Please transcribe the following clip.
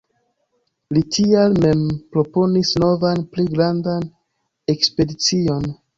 Li tial mem proponis novan pli grandan ekspedicion.